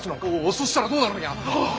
そしたらどうなるんや？